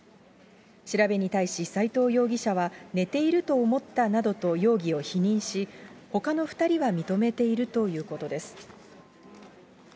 調べに対し斎藤容疑者は、寝ていると思ったなどと容疑を否認し、ほかの２人は認めているということです。